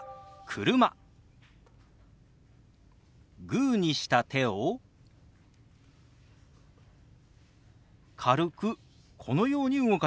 グーにした手を軽くこのように動かします。